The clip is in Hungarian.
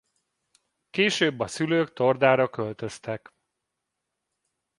Később a szülők Tordára költöztek.